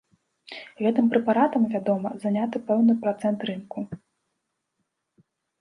Гэтым прэпаратам, вядома, заняты пэўны працэнт рынку.